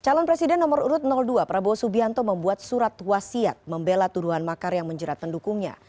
calon presiden nomor urut dua prabowo subianto membuat surat wasiat membela tuduhan makar yang menjerat pendukungnya